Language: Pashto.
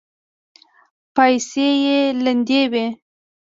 پايڅې يې لندې وې.